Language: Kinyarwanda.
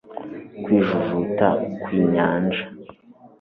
Kwijujuta kwinyanja